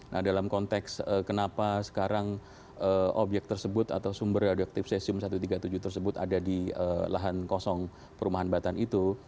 nah dalam konteks kenapa sekarang obyek tersebut atau sumber radioaktif cesium satu ratus tiga puluh tujuh tersebut ada di lahan kosong perumahan batan itu